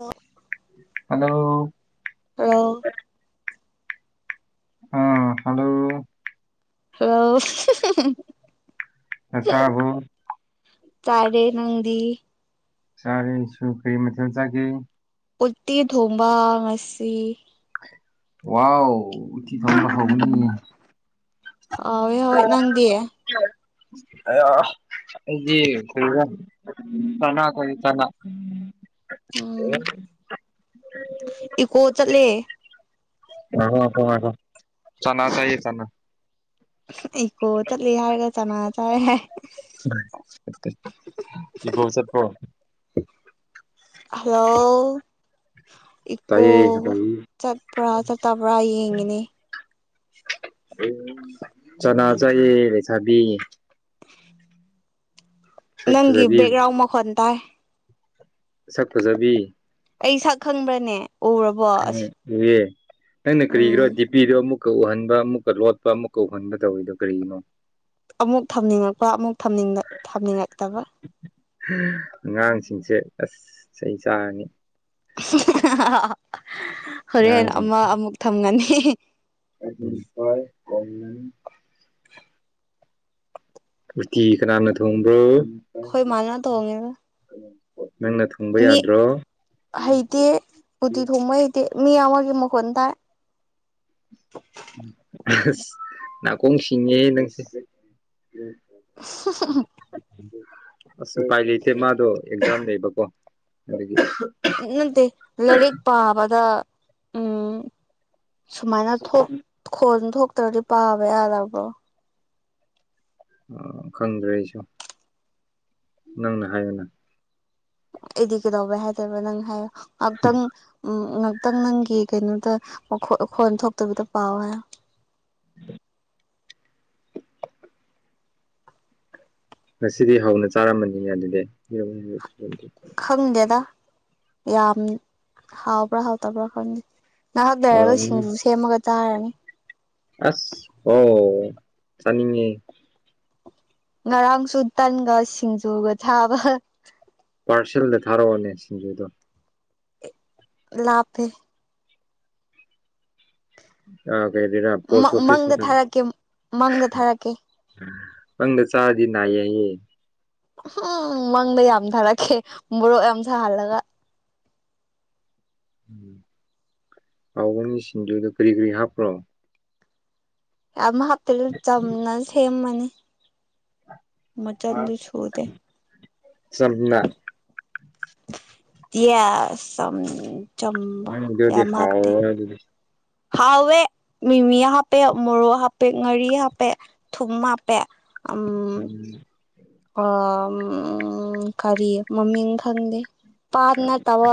ꯑꯣ ꯍꯜꯂꯣ ꯑꯣ ꯑꯥ ꯍꯂꯣ ꯍ ꯑ ꯆꯥꯕ ꯆꯥꯔꯦ ꯅꯪꯗꯤ ꯆꯥꯔꯁꯨ ꯀꯩ ꯃꯊꯦꯜ ꯆꯥꯒꯦ ꯎꯜꯇꯤ ꯊꯣꯡꯕꯥ ꯉꯁꯤ ꯋꯥꯎ ꯎꯇꯤ ꯊꯣꯡꯕ ꯍꯥꯎꯕꯅꯤ ꯍꯥꯎꯋꯦ ꯍꯣꯏ ꯅꯪꯗꯤ [unintelligible] ꯑꯩꯗꯤ ꯀꯔꯤꯔꯥ ꯆꯥꯅꯥ [unintelligible] ꯎꯝ ꯏꯀꯣ ꯆꯠꯂꯦ ꯉꯥꯏꯈꯣ ꯉꯥꯏꯈꯣ ꯉꯥꯏꯈꯣ ꯆꯅꯥ ꯆꯥꯏꯌꯦ ꯆꯅꯥ ꯏꯀꯣ ꯆꯠꯂꯦ ꯍꯥꯏꯔꯒ ꯆꯅꯥ ꯆꯥꯌꯦ ꯍꯥꯏ ꯀꯣ ꯆꯠꯄꯔꯣ ꯍꯜꯂꯣ ꯏꯀꯣ ꯇꯥꯏꯌꯦ ꯂꯩ ꯆꯠꯄ꯭ꯔꯥ ꯆꯠꯇꯕ꯭ꯔꯥ ꯌꯦꯡꯉꯤꯅꯦ ꯆꯅꯥ ꯆꯥꯏꯑꯦ ꯂꯩꯁꯥꯕꯤ ꯁꯛ ꯅꯪꯒꯤ ꯐꯖꯕꯤ ꯕꯦꯛꯒ꯭ꯔꯥꯎꯝ ꯃꯈꯣꯟ ꯇꯥꯏ ꯐꯖꯕꯤ ꯑꯩ ꯁꯛ ꯈꯪꯕ꯭ꯔꯅꯦ ꯎꯔꯕꯣ ꯑꯁ ꯎꯏꯌꯦ ꯅꯪꯅꯥ ꯀꯔꯤꯒꯤꯅꯣ ꯎꯝ ꯗꯤꯄꯤꯗꯣ ꯑꯃꯨꯛ ꯑꯃꯨꯛꯀ ꯎꯍꯟꯕ ꯑꯃꯨꯛꯀ ꯂꯣꯠꯄ ꯑꯃꯨꯛꯀ ꯎꯍꯟꯕ ꯇꯧꯋꯤꯗꯣ ꯀꯔꯤꯒꯤꯅꯣ ꯑꯃꯨꯛ ꯊꯝꯅꯤꯡꯉꯛꯄ ꯑꯃꯨꯛ ꯊꯝꯅꯤꯡꯉꯛꯇꯕ ꯑꯉꯥꯡꯁꯤꯡꯁꯦ ꯑꯁ ꯆꯩ ꯆꯥꯔꯅꯤ ꯍꯣꯔꯦꯟ ꯑꯉꯥꯡꯁꯤꯡ ꯑꯃ ꯑꯃꯨꯛ ꯊꯝꯒꯅꯤ [unintelligible] ꯎꯇꯤ ꯀꯅꯥꯅ ꯊꯣꯡꯕ꯭ꯔꯣ ꯑꯩꯈꯣꯏ ꯃꯥꯅꯥ ꯊꯣꯡꯉꯦ ꯅꯪꯅ ꯊꯣꯡꯕ ꯃꯤ ꯌꯥꯗ꯭ꯔꯣ ꯍꯩꯇꯦ ꯎꯇꯤ ꯊꯣꯡꯕ ꯍꯩꯇꯦ ꯃꯤ ꯑꯃꯥꯒꯤ ꯃꯈꯣꯟ ꯇꯥꯏ ꯑꯁ ꯅꯥꯀꯣꯡ ꯁꯤꯡꯉꯦꯍꯦ ꯅꯪꯁꯦ ꯑꯁ ꯎꯄꯥꯏ ꯂꯩ ꯏꯇꯦ ꯃꯥꯗꯣ ꯑꯦꯛꯖꯥꯝ ꯂꯩꯕꯀꯣ ꯅꯠꯇꯦ ꯂꯥꯏꯔꯤꯛ ꯄꯥꯕꯗ ꯎꯝ ꯁꯨꯃꯥꯏꯅ ꯊꯣꯛ ꯈꯣꯟ ꯊꯣꯛꯇ꯭ꯔꯗꯤ ꯄꯥꯕ ꯌꯥꯗꯕ꯭ꯔꯣ ꯈꯪꯗ꯭ꯔꯦ ꯑꯩꯁꯨ ꯅꯪꯅ ꯍꯥꯏꯌꯨꯅꯦ ꯑꯩꯗꯤ ꯀꯩꯗꯧꯕꯩ ꯍꯥꯏꯗꯣꯏꯕ ꯅꯪ ꯍꯥꯏꯌꯣ ꯉꯍꯥꯛꯇꯪ ꯎꯝ ꯉꯍꯥꯛꯇꯪ ꯅꯪꯒꯤ ꯀꯩꯅꯣꯗ ꯈꯣꯟ ꯊꯣꯛꯇꯕꯗ ꯄꯥꯎ ꯍꯥꯏꯌꯣ ꯉꯁꯤꯗꯤ ꯍꯧꯅ ꯆꯥꯔꯝꯃꯅꯤꯅꯦ ꯑꯗꯨꯗꯤꯔ ꯈꯪꯗꯦꯗ ꯌꯥꯝ ꯍꯥꯎꯕ꯭ꯔꯥ ꯍꯥꯎꯇꯕ꯭ꯔꯥ ꯈꯪꯗꯦ ꯉꯥꯍꯥꯛ ꯂꯩꯔꯒ ꯁꯤꯡꯖꯨ ꯁꯦꯝꯃꯒ ꯇꯥꯔꯅꯤ ꯑꯁ ꯑꯣ ꯆꯅꯤꯡꯉꯦ ꯉꯔꯥꯡꯁꯨ ꯇꯟꯒ ꯁꯤꯡꯖꯨꯒ ꯊꯥꯕ ꯄꯥꯔꯁꯦꯜꯗ ꯊꯥꯔꯛꯑꯣꯅꯦ ꯁꯤꯡꯖꯨꯗꯣ ꯂꯥꯞꯄꯦ [unintelligible] ꯄꯣꯁ ꯑꯣꯐꯤꯁ ꯃꯪꯗ ꯊꯥꯔꯛꯀꯦ ꯃꯪꯗ ꯊꯥꯔꯛꯀꯦ ꯃꯪꯗ ꯆꯔꯗꯤ ꯅꯥꯌꯦ ꯍꯥꯏꯌꯦ ꯎꯝ ꯃꯪꯗ ꯌꯥꯝ ꯊꯥꯔꯛꯀꯦ ꯃꯣꯔꯣꯛ ꯌꯥꯝ ꯁꯥꯍꯜꯂꯒ ꯎ ꯍꯥꯎꯕꯅꯤ ꯁꯤꯡꯖꯨꯗ ꯀꯔꯤ ꯀꯔꯤ ꯍꯥꯞꯄ꯭ꯔꯣ ꯌꯥꯝ ꯍꯥꯞꯇꯦ ꯆꯝꯅ ꯁꯦꯝꯃꯅꯤ ꯃꯆꯟꯗꯣ ꯁꯨꯗꯦ ꯆꯝꯅꯥ ꯌꯦꯁ ꯆꯝ ꯎꯝ ꯆꯝꯕ ꯑꯗꯨꯗꯤ ꯌꯥꯝ ꯍꯥꯞꯇꯦ ꯍꯥꯎꯔꯣꯏ ꯑꯗꯨꯗꯤ ꯍꯥꯎꯋꯦ ꯃꯤꯃꯤ ꯍꯥꯞꯄꯦ ꯃꯣꯔꯣꯛ ꯍꯥꯞꯄꯦ ꯉꯥꯔꯤ ꯍꯥꯞꯄꯦ ꯊꯨꯝ ꯍꯥꯞꯄꯦ [unintelligible] ꯎꯝ ꯀꯔꯤ ꯃꯃꯤꯡ ꯈꯪꯗꯦ ꯄꯥꯟ ꯇꯕ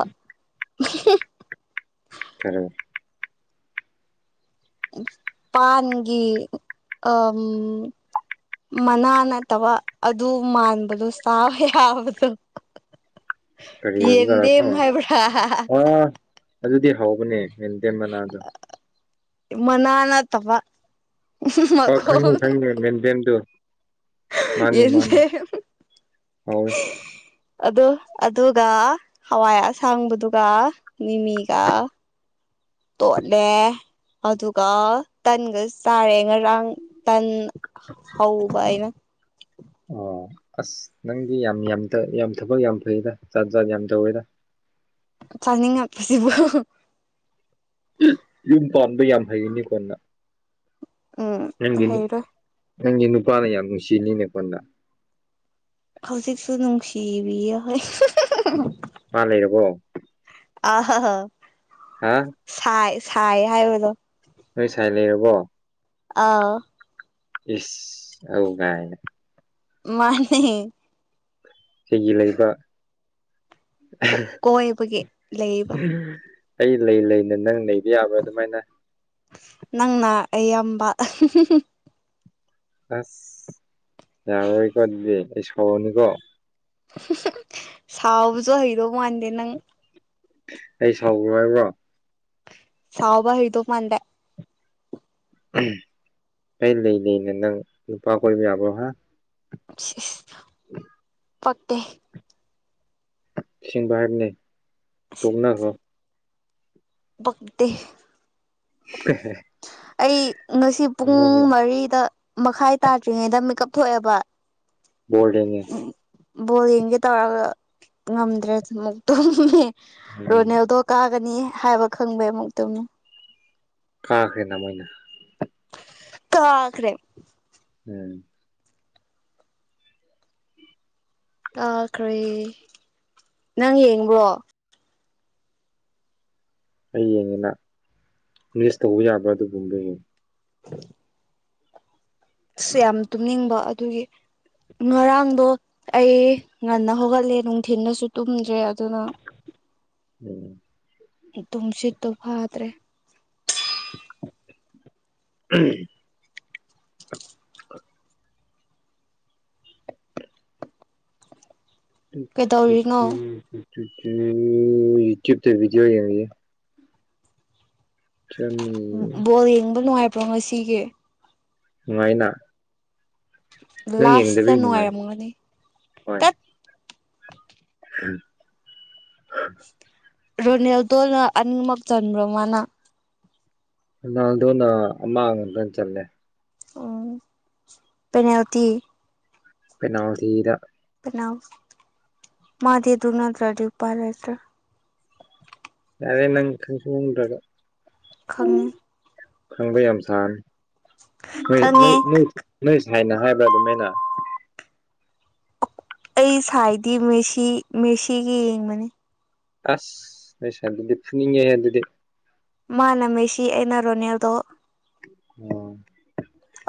[unintelligible] [unintelligible] ꯄꯥꯟꯒꯒꯤ ꯑ ꯃꯅꯥ ꯅꯠꯇꯕ ꯑꯗꯨ ꯃꯥꯟꯕꯗꯣ ꯁꯥꯕ ꯌꯥꯕꯗꯣ ꯀꯖꯣ ꯌꯦꯟꯗꯦꯝ ꯍꯥꯏꯕ꯭ꯔꯥ ꯑ ꯑꯗꯨꯗꯤ ꯍꯧꯕꯅꯦ ꯃꯦꯟꯗꯦꯝ ꯃꯅꯥꯗꯣ ꯃꯅꯥꯅ ꯇꯕ ꯑ ꯈꯪꯉꯦ ꯈꯪꯉꯦ ꯃꯦꯟꯗꯦꯟꯗꯨꯣ ꯌꯦꯗ ꯍꯥꯎꯋꯦ ꯑꯗꯨ ꯑꯗꯨꯒ ꯍꯋꯥꯏ ꯑꯁꯥꯡꯕꯗꯨꯒ ꯃꯤꯃꯤꯒ ꯇꯣꯠꯂꯦ ꯑꯗꯨꯒ ꯇꯟꯒ ꯆꯥꯔꯦ ꯉꯔꯥꯡ ꯇꯟ ꯍꯧꯕꯥꯏꯅ ꯑꯣ ꯑꯁ ꯅꯪꯗꯤ ꯌꯥꯝ ꯌꯥꯝ ꯌꯥꯝ ꯊꯕꯛ ꯌꯥꯝ ꯐꯩꯗ ꯆꯥꯠ ꯥꯠ ꯌꯥꯝ ꯇꯧꯋꯦꯗ [unintelligible] ꯐꯅꯤꯡꯉ ꯄꯁꯤꯕꯨ ꯌꯨꯝ ꯄꯥꯟꯕ ꯌꯥꯝ ꯍꯩꯒꯅꯤ ꯀꯣꯟꯅ ꯎꯝ ꯅꯪꯒꯤ ꯍꯩꯔꯣꯏ ꯅꯪꯒꯤ ꯅꯨꯄꯥꯅ ꯌꯥꯝ ꯅꯨꯡꯁꯤꯅꯤꯅꯦ ꯀꯣꯟꯗ ꯍꯧꯖꯤꯛꯁꯨ ꯅꯨꯡꯁꯤꯕꯤꯣꯏ ꯃꯥ ꯂꯩꯔꯕꯣ ꯑꯍ ꯍ ꯍꯥ ꯁꯥꯏ ꯍꯥꯏ ꯑꯣꯏꯗꯣ ꯅꯣꯏ ꯁꯥꯏ ꯂꯩꯔꯕꯣ ꯑ ꯏꯁ ꯑ ꯀꯥꯏꯅꯦ ꯃꯥꯅꯤ ꯀꯩꯒꯤ ꯂꯩꯕ ꯀꯣꯏꯕꯒꯤ ꯂꯩꯕ ꯑꯩ ꯂꯩ ꯂꯩꯅꯦ ꯅꯪ ꯅꯕ ꯌꯥꯕ꯭ꯔꯥ ꯑꯗꯨꯃꯥꯏꯅ ꯅꯪꯅ ꯑꯌꯥꯝꯕ ꯑ ꯌꯥꯕꯣꯏ ꯀꯗꯕꯤ ꯑꯩ ꯁꯑꯣꯅꯤꯀꯣ ꯁꯥꯎꯕꯁꯨ ꯍꯩꯔ ꯃꯥꯟꯗꯦ ꯅꯪ ꯑꯩ ꯁꯥꯎꯈ꯭ꯔꯣ ꯍꯥꯏꯕ꯭ꯔꯣ ꯁꯥꯎꯕ ꯍꯗꯨ ꯃꯗꯦ ꯑꯩ ꯂꯩ ꯂꯩꯅꯦ ꯅꯪ ꯅꯨꯄꯥ ꯀꯣꯏꯕ ꯌꯥꯕ꯭ꯔꯣ ꯍꯥꯏ [unintelligible] ꯎ ꯄꯀꯦ ꯆꯁꯤꯡꯕ ꯍꯥꯏꯕꯅꯤ ꯌꯣꯛꯅꯈ꯭ꯔꯣ ꯄꯗꯤ ꯑꯩ ꯉꯁꯤ ꯄꯨꯡ ꯃꯔꯤꯗ ꯃꯈꯥꯏ ꯇꯥꯗ꯭ꯔꯤꯉꯩꯗ ꯃꯤꯦꯀꯞ ꯊꯣꯛꯑꯦꯕ ꯣꯜꯔꯦꯦ ꯕꯣꯜ ꯌꯦꯡꯒꯦ ꯇꯧꯔꯒ ꯉꯝꯗ꯭ꯔꯦ ꯑꯃꯨ ꯇꯨꯝ ꯎꯝ ꯔꯣꯅꯦꯜꯗꯣ ꯀꯥ ꯒꯅꯤ ꯍꯥꯏꯕ ꯈꯪꯕꯩ ꯑꯃꯨꯛꯇꯃꯤ ꯀꯥꯈꯦꯅ ꯃꯥꯏꯅ ꯀꯈꯔꯦ ꯎꯝ ꯇꯥꯈ꯭ꯔꯦ ꯅꯪ ꯌꯦꯡꯕꯣ ꯑꯩ ꯌꯦꯡꯉꯦꯅꯂꯤꯁ ꯇꯧꯕ ꯌꯥꯕ꯭ꯔꯥ ꯑꯗꯨꯒꯨꯝꯕ ꯌꯦꯡꯉꯤ [unintelligible] ꯑꯁ ꯌꯥꯝ ꯇꯨꯝꯅꯤꯡꯕ ꯑꯗꯨꯒꯤ ꯉꯔꯥꯡꯗꯣ ꯑꯩ ꯉꯟꯅ ꯍꯧꯒꯠꯂꯦ ꯅꯨꯡꯊꯤꯜꯗꯁꯨ ꯇꯨꯝꯗ꯭ꯔꯦ ꯑꯗꯨꯅ ꯎꯝ ꯇꯝꯁꯤꯠꯇꯣ ꯐꯗ꯭ꯔꯦ ꯎ [inaudible] ꯀꯩꯗꯧꯔꯤꯅꯣ ꯌꯨꯇꯨꯕꯗꯤꯑꯣ ꯕꯣꯜ ꯌꯦꯡꯕ ꯅꯨꯡꯉꯥꯏꯕ꯭ꯔꯣ ꯉꯁꯤꯒꯤ ꯅꯨꯡꯉꯥꯏꯅ ꯅꯪ ꯂꯥꯁꯇ ꯌꯦꯡꯗꯕꯩ ꯅꯉꯥꯏꯦ ꯅꯨꯡꯉꯥꯏ ꯑꯃꯛꯗꯤ ꯇꯠ ꯎꯝ ꯔꯣꯅꯦꯜꯗꯣꯅ ꯑꯅꯤꯃꯛ ꯆꯟꯕ꯭ꯔꯣ ꯃꯥꯅ ꯍꯜꯗꯣꯅ ꯑꯃꯥꯡ ꯑꯇꯪ ꯆꯜꯂꯦ ꯎꯝ ꯄꯅꯥꯜꯇꯤ ꯐꯅꯥ ꯊꯗ ꯃꯥꯗꯤꯗꯨꯅꯠꯇ꯭ꯔ ꯄꯔꯗ꯭ꯔ ꯔꯦ ꯅꯪ ꯀꯪꯔ ꯈꯪꯉꯤ ꯊꯪꯕ ꯌꯥꯝ ꯁꯥꯟ ꯅ ꯈꯪꯉꯦ ꯍꯥꯏꯥꯏꯅ ꯍꯥꯏꯕ꯭ꯔꯥ ꯑꯗꯨꯃꯥꯏꯅ ꯑꯩ ꯁꯥꯏꯗꯤ ꯃꯁꯤ ꯃꯦꯁꯤꯒꯤ ꯌꯦꯡꯕꯅꯤ ꯑꯁ ꯑꯩꯁ ꯑꯗꯨꯗꯤ ꯐꯨꯅꯤꯡꯉꯦꯍ ꯑꯗꯨꯗꯤ ꯃꯥ ꯂꯝꯃꯤꯁꯤ ꯑꯩꯅ ꯔꯣꯅꯦꯜꯗꯣ ꯎꯝ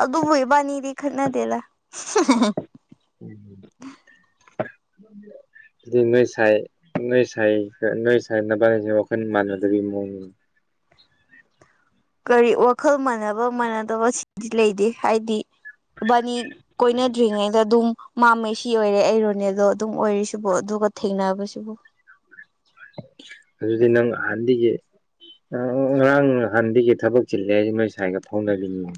ꯑ ꯑꯗꯨ ꯣꯏꯕꯥꯅꯤꯗꯤ ꯈꯟꯅꯗꯦꯂ ꯎꯝ ꯅ ꯁꯥꯏ ꯅ ꯁꯥꯏ ꯅ ꯁꯥꯏꯠꯅꯕꯁꯤ ꯋꯥꯈꯣꯏꯅ ꯃꯥꯟꯗ ꯃ ꯀꯔꯤ ꯋꯥꯈꯜ ꯃꯥꯟꯅꯕ ꯃꯥꯟꯅꯗꯕ ꯁꯤꯗꯤ ꯂꯩꯇꯦ ꯍꯥꯏꯗꯤ ꯕꯥꯅꯤ ꯀꯣꯏꯅꯗ꯭ꯔꯤꯉꯩꯗ ꯑꯗꯨꯝ ꯃꯥꯝꯃꯦ ꯁꯤ ꯑꯣꯏꯔꯦ ꯑꯩ ꯔꯣꯅꯦꯗꯣ ꯑꯗꯨꯝ ꯑꯣꯏꯔꯤꯁꯤꯕꯨ ꯑꯗꯨꯒ ꯊꯦꯡꯅꯕꯁꯤꯕꯨ ꯑꯗꯨꯗꯤ ꯅꯪ ꯍꯍꯥꯟꯒꯤ ꯉꯔꯥꯡ ꯍꯥꯟꯗꯤꯀꯤ ꯊꯕꯛ ꯆꯤꯜꯂꯦ ꯍꯥꯏꯁꯤ ꯃꯣꯏ ꯁ꯭ꯋꯥꯏꯒ ꯐꯥꯎꯅꯔꯤꯅꯤ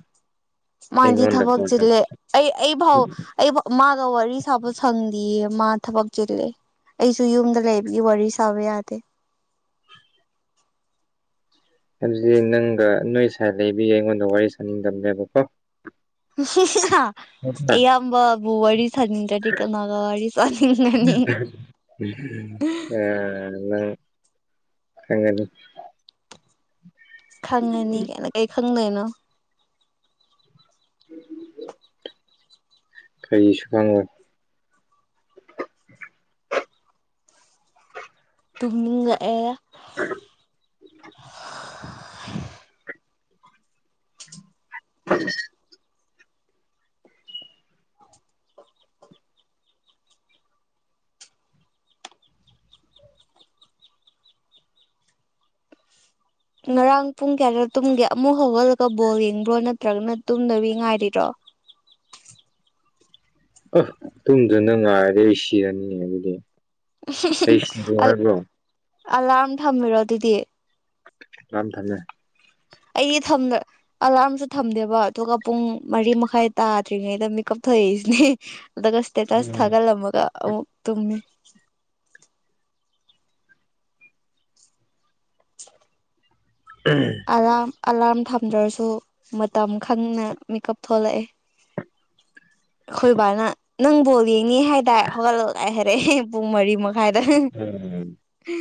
ꯃꯥꯗꯤ ꯑꯩꯉꯣꯟꯗ ꯊꯕꯛ ꯐꯣꯟ ꯇꯧ ꯆꯦꯂꯦ ꯑꯩ ꯑꯩ ꯐꯥꯎ ꯑꯩ ꯃꯥꯒ ꯋꯥꯔꯤ ꯁꯥꯕ ꯁꯪꯗꯦꯑ ꯃꯥ ꯊꯕꯛ ꯆꯤꯂꯦ ꯑꯩꯁꯨ ꯌꯨꯝꯗ ꯂꯩꯕꯒꯤ ꯋꯥꯔꯤ ꯁꯥꯕ ꯌꯥꯗꯦ ꯍꯥꯏꯕꯗꯤ ꯅꯪꯒ ꯅꯣꯏ ꯁꯋꯥꯏ ꯂꯩꯕꯤꯌꯦ ꯑꯩꯉꯣꯟꯗ ꯋꯥꯔꯤ ꯁꯥꯅꯤꯡꯗꯕꯅꯦꯕꯀꯣ ꯑ ꯑꯌꯥꯝꯕꯕꯨ ꯋꯥꯔꯤ ꯁꯥꯅꯤꯡꯗ꯭ꯔꯗꯤ ꯀꯅꯥꯒ ꯋꯥꯔꯤ ꯁꯥꯅꯤꯡꯉꯅꯤ ꯑ ꯑꯉꯅꯤ ꯈꯪꯉꯅꯤ ꯀꯅ ꯀꯩ ꯈꯪꯗꯣꯏꯅꯣ ꯀꯩꯁꯨ ꯈꯉꯣ ꯇꯨꯝꯅꯤꯡꯉꯛꯑꯦ ꯑ [inaudible] ꯐ ꯉꯔꯥꯡ ꯄꯨꯡ ꯀꯌꯥꯗ ꯇꯨꯝꯒꯦ ꯑꯃꯨꯛ ꯍꯧꯒꯠꯂꯒ ꯕꯣꯜ ꯌꯦꯡꯕ꯭ꯔꯣ ꯅꯠꯇ꯭ꯔꯒꯅ ꯇꯨꯝꯗꯕꯤ ꯉꯥꯏꯔꯤꯔꯣ [inaudible] ꯑ ꯇꯨꯝꯗꯨꯅ ꯉꯥꯏꯔꯦ ꯑꯩ ꯁꯤꯔꯅꯤ ꯑꯗꯨꯗꯤ ꯍꯥꯏꯔꯕꯣ ꯑꯂꯥꯔꯝ ꯊꯝꯕꯤꯔꯣ ꯑꯗꯨꯗꯤ ꯌꯥꯝꯝ ꯊꯝꯃꯦ ꯑꯩꯗꯤ ꯊꯝꯗ ꯑꯂꯥꯔꯝꯁꯨ ꯊꯝꯗꯦꯕ ꯑꯗꯨꯒ ꯄꯨꯡ ꯃꯔꯤ ꯃꯈꯥꯏ ꯇꯥꯗ꯭ꯔꯤꯉꯩꯗ ꯃꯤꯀꯞ ꯊꯣꯛꯛꯏꯁꯤꯅꯦ ꯑꯁꯇꯦ ꯇꯁ ꯎꯝ ꯊꯥꯒꯠꯂꯝꯃꯒ ꯑꯃꯨꯛ ꯇꯨꯝꯃꯤ ꯑ ꯑꯂꯥꯔꯝ ꯊꯝꯗ꯭ꯔꯁꯨ ꯃꯇꯝ ꯈꯪꯅ ꯃꯤꯀꯞ ꯊꯣꯛꯂꯛꯑꯦ ꯑꯩꯈꯣꯏꯕꯥꯅ ꯅꯪꯕꯣꯜ ꯌꯦꯡꯉ ꯍꯥꯏꯇꯥ ꯍꯧꯒꯠꯂꯛ ꯂ ꯍꯥꯏꯔꯛꯑꯦ ꯄꯨꯡ ꯃꯔꯤꯃ ꯎꯝ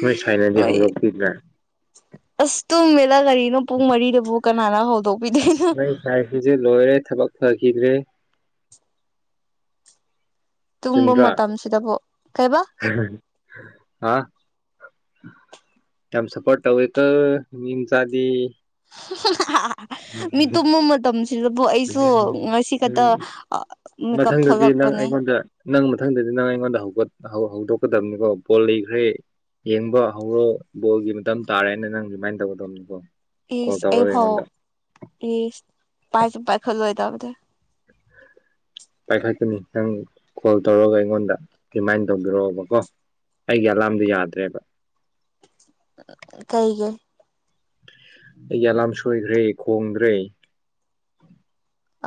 ꯅꯣꯏ ꯁꯥꯏꯅꯗꯤ ꯍꯣꯏ ꯍꯧꯔꯛꯈꯤꯗ꯭ꯔꯥ ꯑꯁ ꯎꯃꯦ ꯆꯂ ꯀꯔꯤꯅꯣ ꯄꯨꯡ ꯃꯔꯤꯗꯕꯨ ꯀꯅꯥꯅ ꯍꯧꯗꯣꯛꯄꯤꯗꯣꯏꯅꯣ ꯅꯣꯏ ꯁꯥꯏꯁꯤꯁꯨ ꯂꯣꯏꯔꯦ ꯊꯕꯛ ꯐꯈꯤꯗ꯭ꯔꯦ ꯇꯨꯝꯕ ꯆꯟꯗ꯭ꯔꯥ ꯃꯇꯝꯁꯤꯗꯕꯨ ꯀꯩꯕꯥ ꯑ ꯌꯥꯝꯁ ꯄꯣ ꯇꯋꯦ ꯀ ꯃꯤꯟꯆꯥ ꯑꯗꯤ [unintelligible] ꯃꯤ ꯇꯨꯝꯕ ꯃꯇꯝꯁꯤꯗꯕꯨ ꯑꯩꯁꯨ ꯉꯁꯤ ꯈꯛꯇ ꯃꯦꯀꯞ ꯃꯊꯪꯗꯗꯤ ꯊꯣꯛꯂꯛꯄ ꯅꯪ ꯑꯩꯉꯣꯟꯗ ꯅꯪ ꯃꯊꯪꯗꯗꯤ ꯅꯪ ꯑꯩꯉꯣꯟꯗ ꯍꯧꯗꯣꯛꯀꯗꯕꯅꯤꯀꯣ ꯕꯣꯜ ꯂꯩꯈ꯭ꯔꯦ ꯌꯦꯡꯕ ꯍꯧꯔꯣ ꯕꯣꯜꯒꯤ ꯃꯇꯝ ꯇꯥꯔꯦꯅ ꯅꯪ ꯀꯃꯥꯏꯅ ꯇꯧꯒꯗꯕꯅꯤꯀꯣ ꯀꯣꯜ ꯁ ꯇꯧꯔꯒ ꯑꯩꯕꯥꯎ ꯑꯩꯉꯣꯟꯗ ꯏ ꯄꯥꯏꯁ ꯄꯥꯏꯈ ꯂꯣꯏ ꯇꯗ ꯄꯥꯏꯈꯠꯀꯅꯤ ꯅꯪ ꯀꯣꯜ ꯇꯧꯔꯒ ꯑꯩꯉꯣꯟꯗ ꯔꯤꯃꯥꯏꯅ ꯇꯧꯕꯤꯔꯛꯑꯣꯕꯀꯣ ꯑꯩꯒꯤ ꯑꯂꯥꯝꯗꯨ ꯌꯥꯗ꯭ꯔꯦꯕ ꯀꯩꯒꯤ ꯑꯩꯒꯤ ꯑꯂꯥꯝ ꯁꯣꯏꯈ꯭ꯔꯦ ꯈꯣꯡꯗ꯭ꯔꯦ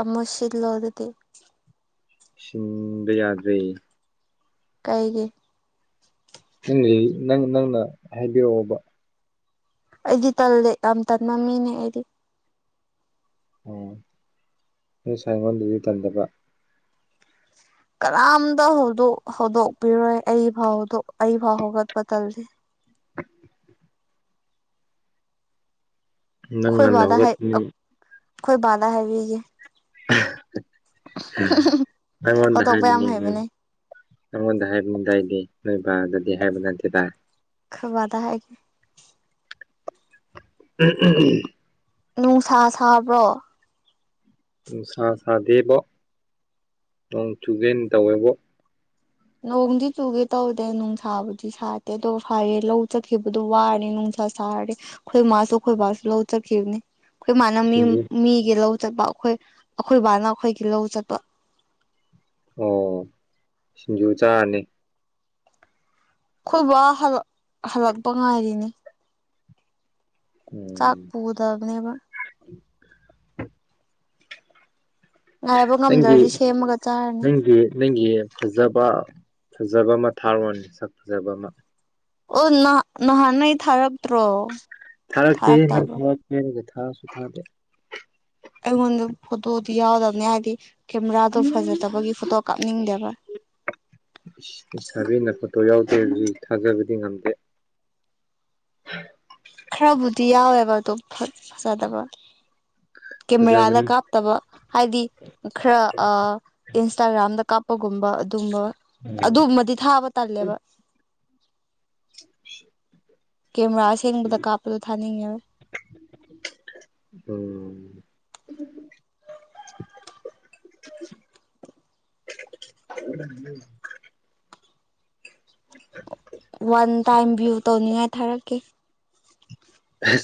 ꯑꯃꯁꯤ ꯂꯣꯗꯗꯤ ꯁꯤꯟꯕ ꯌꯥꯗꯦ ꯀꯩꯒꯤ ꯅꯪ ꯅꯪ ꯅꯪꯅ ꯍꯥꯏꯕꯤꯔꯛꯑꯣꯕ ꯑꯩꯗꯤ ꯇꯜꯂꯦ ꯌꯥꯝ ꯇꯟꯕ ꯃꯤꯅꯦ ꯑꯩꯗꯤ ꯑꯣ ꯅꯣꯏ ꯁꯥꯏ ꯑꯩꯉꯣꯟꯗꯗꯤ ꯇꯟꯗꯕ ꯀꯅꯥꯝꯇ ꯍꯧ ꯍꯧꯗꯣꯛꯄꯤꯔꯣꯏ ꯑꯩ ꯐꯥꯎ ꯑꯩ ꯐꯥꯎ ꯍꯧꯒꯠꯄ ꯇꯜꯁꯦ ꯅꯪ ꯉꯟꯅ ꯍꯧꯒꯠ ꯈꯣꯏ ꯕꯥꯙꯥ ꯍꯥꯏꯕꯤꯌꯦ [unintelligible] ꯍꯧꯗꯣꯛꯄ ꯌꯥꯝ ꯍꯩꯕꯅꯦ ꯑꯩꯃ ꯎ ꯅꯣꯏꯕꯗꯗꯤ ꯍꯥꯏꯕ ꯅꯠꯇꯦ ꯇꯔꯦ ꯈꯕꯗ ꯍꯥꯏꯒ ꯎꯝ ꯎꯝ ꯎꯝ ꯅꯨꯡ ꯁꯥ ꯁꯥꯕ꯭ꯔꯣ ꯅꯨꯡꯁꯥ ꯁꯥꯗꯦꯕ ꯅꯣꯡ ꯆꯨꯒꯦꯅ ꯇꯧꯋꯦꯕ ꯅꯣꯡꯗꯤ ꯆꯨꯒꯦ ꯇꯧꯗꯦ ꯅꯨꯡꯁꯥꯕꯨꯗꯤ ꯁꯥꯠꯇꯦ ꯑꯗꯣ ꯐꯔꯦ ꯂꯧ ꯆꯠꯈꯤꯕꯗꯣ ꯋꯥꯔꯅꯤ ꯅꯨꯡꯁꯥ ꯁꯥꯔꯦ ꯑꯩꯈꯣꯏ ꯃꯥꯁꯨ ꯑꯩꯈꯣꯏꯕꯥꯁꯨ ꯂꯧ ꯆꯠꯈꯤꯕꯅꯤ ꯑꯩꯈꯣꯏ ꯃꯥꯅ ꯃꯤ ꯁꯤꯡꯖꯨ ꯃꯤꯒꯤ ꯂꯧ ꯆꯠꯄ ꯑꯩꯈꯣꯏ ꯑꯩꯈꯣꯏ ꯕꯥꯅ ꯑꯩꯈꯣꯏꯒꯤ ꯂꯧ ꯆꯠꯄ ꯑꯣ ꯁꯤꯡꯖꯨ ꯆꯥꯅꯤ ꯑꯩꯈꯣꯏꯕ ꯍꯜ ꯍꯜꯂꯛꯄ ꯉꯥꯏꯔꯤꯅꯦ ꯆꯥꯛ ꯎꯝ ꯄꯨꯗꯕꯅꯦꯕ ꯉꯥꯏꯕ ꯅꯪꯒꯤ ꯉꯝꯗ꯭ꯔꯗꯤ ꯁꯦꯝꯃꯒ ꯆꯥꯔꯅꯤ ꯅꯪꯒꯤ ꯅꯪꯒꯤ ꯐꯖꯕ ꯐꯖꯕ ꯑꯃ ꯊꯥꯔꯣꯟꯅꯤ ꯁꯛ ꯐꯖꯕ ꯑꯃ ꯑꯣ ꯅꯍ ꯅꯍꯥꯟ ꯅꯩ ꯊꯔ ꯊꯥꯔꯛꯇꯦ ꯅꯪ ꯊ ꯊꯥꯔꯁꯨ ꯊꯥꯗꯦ ꯑꯩꯉꯣꯟꯗ ꯐꯣꯇꯣꯗꯤ ꯌꯥꯎꯗꯕꯅꯦ ꯍꯥꯏꯕꯗꯤ ꯀꯦꯃꯦꯔꯥꯗꯣ ꯐꯖꯗꯕꯒꯤ ꯐꯣꯇꯣ ꯀꯥꯞꯅꯤꯡꯗꯦꯕ ꯏꯁꯥꯕꯤ ꯅꯀ ꯇꯣ ꯌꯥꯎꯗꯦ ꯍꯧꯖꯤ ꯊꯥꯖꯕꯗꯤ ꯉꯝꯗꯦ ꯈꯔꯕꯨꯗꯤ ꯌꯥꯎꯋꯦꯕ ꯑꯗꯨꯝ ꯐꯖꯗꯕ ꯀꯦꯃꯦꯔꯥꯗ ꯐꯖꯕꯅꯤ ꯀꯥꯞꯇꯕ ꯍꯥꯏꯗꯤ ꯈꯔ ꯏꯟꯁꯇꯥꯒ꯭ꯔꯥꯝꯗ ꯀꯥꯞ ꯄꯒꯨꯝꯕ ꯑꯗꯨꯒꯕ ꯎꯝ ꯑꯗꯨꯒꯨꯝꯕꯗꯤ ꯊꯥꯕ ꯇꯜꯂꯦꯕ [inaudible] ꯀꯦꯃꯦꯔꯥꯁꯦꯡꯕꯗ ꯀꯥꯞꯄꯗ ꯊꯅꯤꯕ ꯎ ꯎꯝ ꯎ ꯋꯥꯟ ꯇꯥꯏꯝ ꯚꯤꯌꯨ ꯇꯧꯅꯤꯡꯉꯥꯏ ꯊꯥꯔꯛꯀꯦ ꯎ